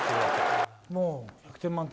もう１００点満点。